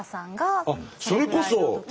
あっそれこそうわ！